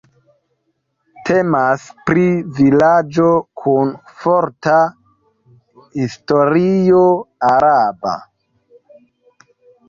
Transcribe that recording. Temas pri vilaĝo kun forta historio araba.